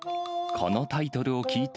このタイトルを聞いて、